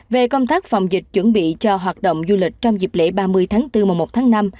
về công tác phòng dịch chuẩn bị cho hoạt động du lịch trong dịp lễ ba mươi tháng bốn mùa một tháng năm